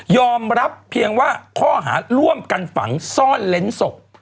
รับเพียงว่าข้อหาร่วมกันฝังซ่อนเล้นศพ